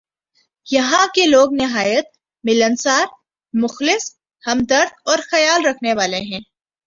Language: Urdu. یہاں کے لوگ نہایت ملنسار ، مخلص ، ہمدرد اورخیال رکھنے والے ہیں ۔